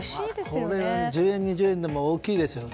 これ、１０円、２０円でも大きいですよね。